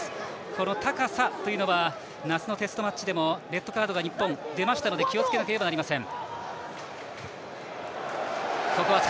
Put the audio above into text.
この高さというのは夏のテストマッチでもレッドカード日本、出ましたので気をつけなければなりません。